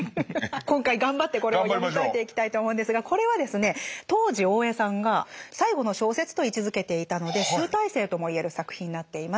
今回頑張ってこれを読み解いていきたいと思うんですがこれはですね当時大江さんが「最後の小説」と位置づけていたので集大成とも言える作品になっています。